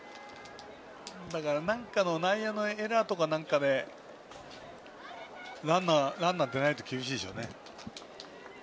内野のエラーとかなんかでランナー出ないと厳しいでしょうね。